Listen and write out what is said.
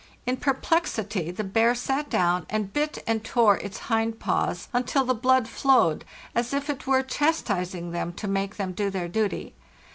In perplexity the bear sat down, and bit and tore its hind paws until the blood flowed; it was as if it were chastising them to make them do their duty.